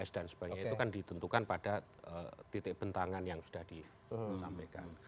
dan sebagainya itu kan ditentukan pada titik bentangan yang sudah disampaikan